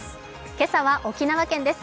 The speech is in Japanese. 今朝は沖縄県です。